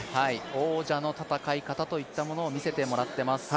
王者の戦い方といったものを見せてもらってます。